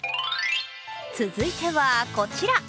続いてはこちら。